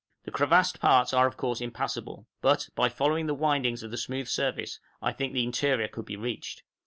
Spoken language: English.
The crevassed parts are of course impassable, but, by following the windings of the smooth surface, I think the interior could be reached.